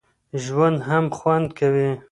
ژوند هم خوند کوي.